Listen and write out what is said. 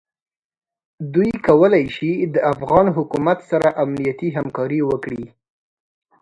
دوی کولای شي د افغان حکومت سره امنیتي همکاري وکړي.